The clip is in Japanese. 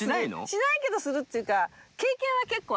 しないけどするっていうか。